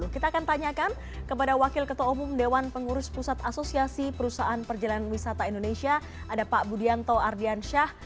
kita akan tanyakan kepada wakil ketua umum dewan pengurus pusat asosiasi perusahaan perjalanan wisata indonesia ada pak budianto ardiansyah